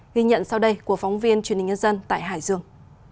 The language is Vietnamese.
ghi nhận sau đây của phóng viên truyền hình nhân dân tại hải dương